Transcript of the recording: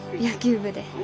野球部で。